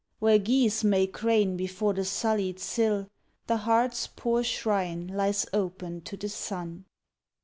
Where geese may crane before the sullied sill, The heart s poor shrine lies open to the sun.